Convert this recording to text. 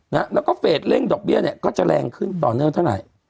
แล้วก็เฟสเร่งดอกเบี้ยเนี่ย